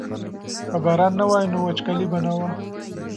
که باران نه وای نو وچکالي به وه.